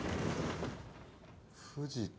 藤田。